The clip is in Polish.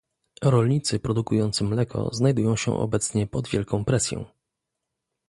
Rolnicy produkujący mleko znajdują się obecnie pod wielką presją